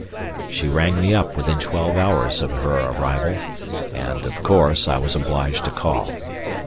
She rang me up within twelve hours of her arrival, and, of course, I was obliged to call.